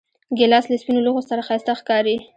ګیلاس له سپینو لوښو سره ښایسته ښکاري.